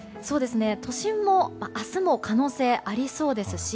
都心も明日も可能性ありそうですし